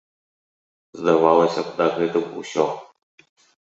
Здавалася б, на гэтым усё.